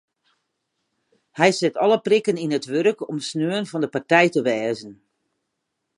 Hy set alle prikken yn it wurk om sneon fan de partij te wêze.